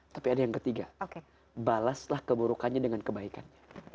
tapi ada yang ketiga balaslah keburukannya dengan kebaikannya